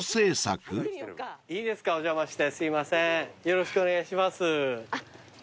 よろしくお願いします。